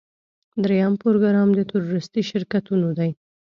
دریم پروګرام د تورېستي شرکتونو دی.